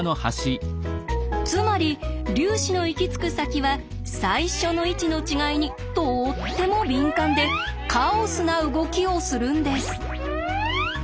つまり粒子の行き着く先は最初の位置の違いにとっても敏感でカオスな動きをするんです。